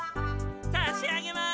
さしあげます。